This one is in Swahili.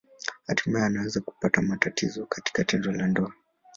Hatimaye anaweza kupata matatizo katika tendo la ndoa.